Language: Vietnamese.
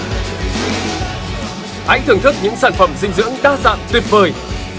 anh thưởng thức những sản phẩm dinh dưỡng đa dạng tuyệt vời